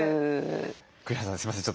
栗原さんすみません。